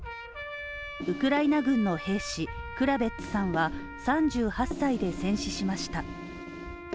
ウクライナ軍の兵士クラベッツさんは３８歳で戦死しました。